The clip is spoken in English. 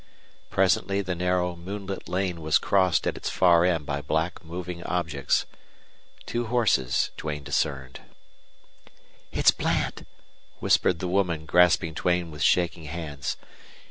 Presently the narrow, moonlit lane was crossed at its far end by black moving objects. Two horses Duane discerned. "It's Bland!" whispered the woman, grasping Duane with shaking hands.